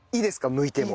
むいても。